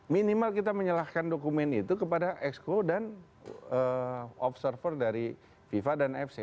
minimal kita menyalahkan dokumen itu kepada exco dan observer dari viva dan fsi